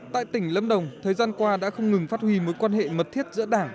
tại tỉnh lâm đồng thời gian qua đã không ngừng phát huy mối quan hệ mật thiết giữa đảng